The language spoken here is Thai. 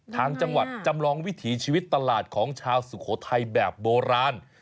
ทางจังหวัดจำลองวิถีชีวิตตลาดของชาวสุโขทัยแบบโบราณ